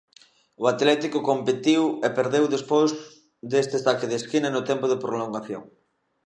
O Atlético competiu e perdeu despois deste saque de esquina no tempo de prolongación.